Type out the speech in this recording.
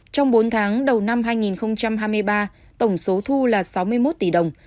trong bốn tháng đầu năm hai nghìn hai mươi ba tổng số thu là sáu mươi một tỷ đồng